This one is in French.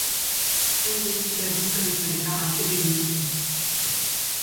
Elle décida donc de se débarrasser des deux filles.